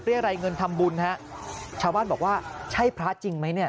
รายเงินทำบุญฮะชาวบ้านบอกว่าใช่พระจริงไหมเนี่ย